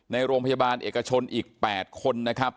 ในโรงพยาบาลเอกชนอีก๘คนนะครับ